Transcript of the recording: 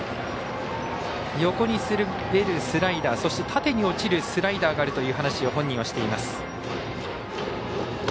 横に滑るスライダーそして、縦に落ちるスライダーがあるという話を本人はしています。